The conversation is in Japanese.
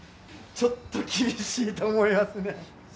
ちょっと厳しいと思いますね。